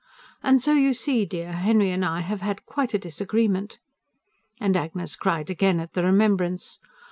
And so you see, dear, Henry and I have had quite a disagreement"; and Agnes cried again at the remembrance.